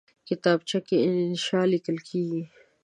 کتابچه کې انشاء لیکل کېږي